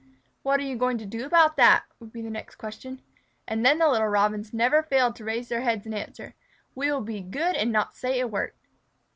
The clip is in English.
"What are you going to do about it?" would be the next question. And then the little Robins never failed to raise their heads and answer, "We will be good and not say a word."